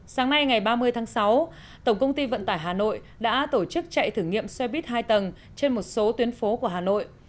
sáng nay ngày ba mươi tháng sáu tổng công ty vận tải hà nội đã tổ chức chạy thử nghiệm xe buýt hai tầng trên một số tuyến phố của hà nội